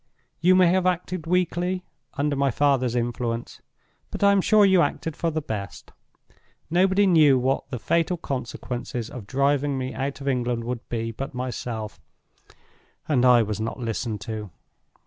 You may have acted weakly, under my father's influence, but I am sure you acted for the best. Nobody knew what the fatal consequences of driving me out of England would be but myself—and I was not listened to.